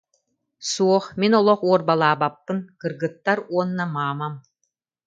Суох, мин олох уорбалаабаппын, кыргыттар уонна маамам